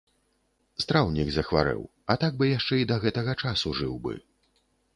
Страўнік захварэў, а так бы яшчэ і да гэтага часу жыў бы.